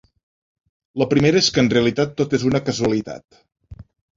La primera és que en realitat tot és una casualitat.